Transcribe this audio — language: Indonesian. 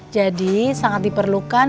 jadi sangat diperlukan